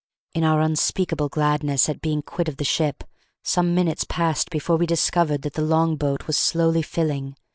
In our unspeakable gladness at being quit of the ship, some minutes passed before we discovered that the long boat was slowly filling.